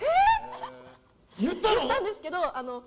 言ったんですけど。